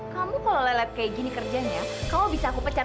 kamu kalau lelet kayak gini kerjanya kamu bisa aku pecat